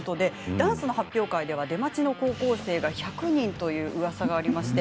ダンスの発表会では出待ちの高校生が１００人といううわさがありました。